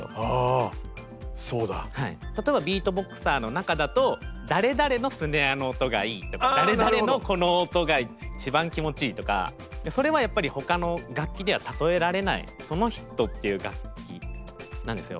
例えばビートボクサーの中だと誰々のスネアの音がいいとか誰々のこの音が一番気持ちいいとかそれはやっぱりほかの楽器では例えられないその人っていう楽器なんですよ。